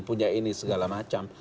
punya ini segala macam